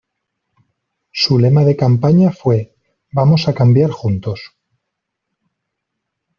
Su lema de campaña fue "Vamos a cambiar juntos".